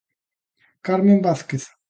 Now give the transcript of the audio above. Carmen Vázquez.